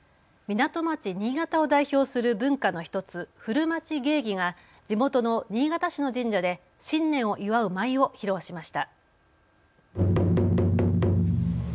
港町、新潟を代表する文化の１つ古町芸妓が地元の新潟市の神社で新年を祝う舞を披露しました。